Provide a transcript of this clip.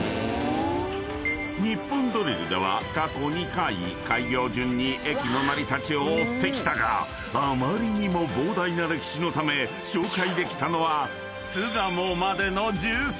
［『ニッポンドリル』では過去２回開業順に駅の成り立ちを追ってきたがあまりにも膨大な歴史のため紹介できたのは巣鴨までの］